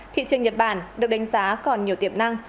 thị trường nhật bản được đánh giá còn nhiều tiềm năng